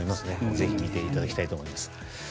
ぜひ見ていただきたいと思います。